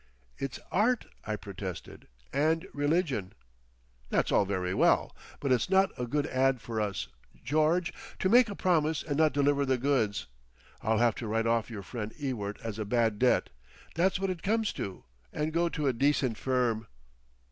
"It's art," I protested, "and religion." "That's all very well. But it's not a good ad for us, George, to make a promise and not deliver the goods.... I'll have to write off your friend Ewart as a bad debt, that's what it comes to, and go to a decent firm."...